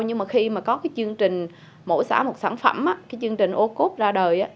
nhưng mà khi mà có cái chương trình mỗi xã một sản phẩm cái chương trình ô cốp ra đời